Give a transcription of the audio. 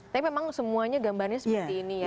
tapi memang semuanya gambarnya seperti ini ya